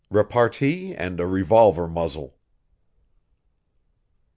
REPARTEE AND A REVOLVER MUZZLE.